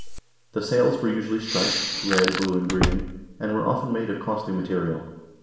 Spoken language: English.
The sails were usually striped, red, blue, and green, and were often made of costly material.